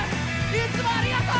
いつもありがとう！